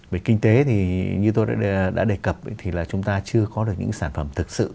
về kinh tế thì như tôi đã đề cập thì là chúng ta chưa có được những sản phẩm thực sự